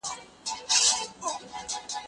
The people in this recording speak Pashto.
ته ولي مېوې وچوې،